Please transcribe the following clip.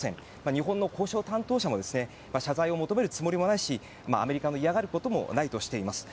日本の交渉担当者も謝罪を求めるつもりもないしアメリカの嫌がることもないとしています。